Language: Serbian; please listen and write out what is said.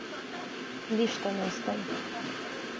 Ништа не стаје.